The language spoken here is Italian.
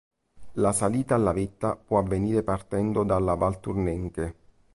La salita alla vetta può avvenire partendo dalla Valtournenche.